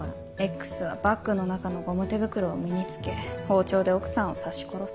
Ｘはバッグの中のゴム手袋を身に着け包丁で奥さんを刺し殺す。